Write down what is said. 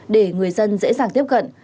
để người dân dễ dàng tiếp cận